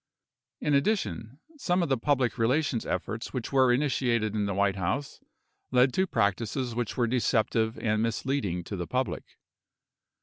In addition, some of the public relations efforts which were initiated in the White House led to practices which were deceptive and mis leading to the public.